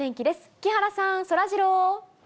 木原さん、そらジロー。